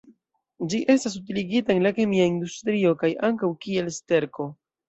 Ĝi estas utiligita en la kemia industrio kaj ankaŭ kiel sterko.